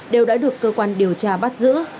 đều đã được cơ quan điều tra bắt giữ